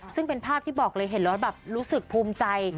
ซึ่งเป็นภาพที่บอกเลยเห็นแล้วแบบรู้สึกภูมิใจ